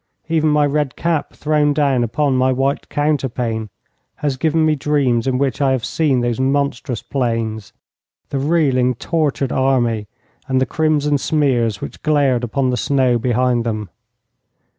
Even my red cap thrown down upon my white counterpane has given me dreams in which I have seen those monstrous plains, the reeling, tortured army, and the crimson smears which glared upon the snow behind them.